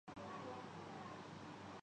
میں ہوں اور انتظار بے انداز